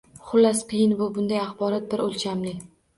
Xullas – qiyin bu – bunday axborot «bir o‘lchamli».